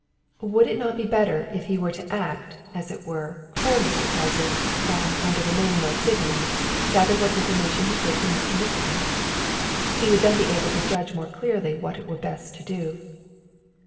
Would it not be better if he were to act, as it were, for Mr. Kyser, and, under the name of Sydney, gather what information he could from Mr. Nixon? He would then be able to judge more clearly what it were best to do.